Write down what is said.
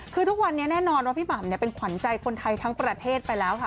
คือทุกวันนี้แน่นอนว่าพี่หม่ำเป็นขวัญใจคนไทยทั้งประเทศไปแล้วค่ะ